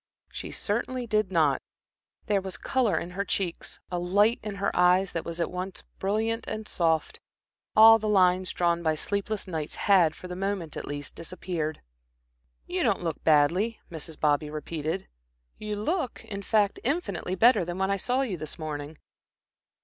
She certainly did not. There was color in her cheeks, a light in her eyes that was at once brilliant and soft. All the lines drawn by sleepless nights had, for the moment at least, disappeared. "You don't look badly," Mrs. Bobby repeated. "You look, in fact, infinitely better than when I saw you this morning."